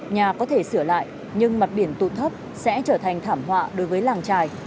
nhà có thể sửa lại nhưng mặt biển tụ thấp sẽ trở thành thảm họa đối với làng trài